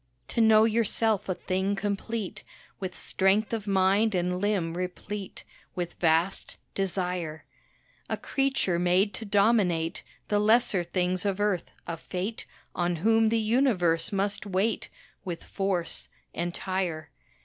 To know yourself a thing complete, With strength of mind and limb replete, With vast desire; A creature made to dominate The lesser things of earth, a fate On whom the universe must wait, With force entire.